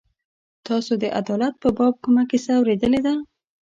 تاسو د عدالت په باب کومه کیسه اورېدلې ده.